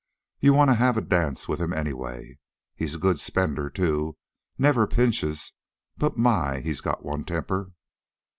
You wanta have a dance with'm anyway. He's a good spender, too. Never pinches. But my! he's got one temper."